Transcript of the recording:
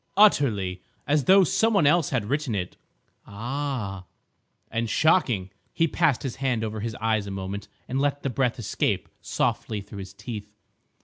"Utterly! As though some one else had written it—" "Ah!" "And shocking!" He passed his hand over his eyes a moment and let the breath escape softly through his teeth.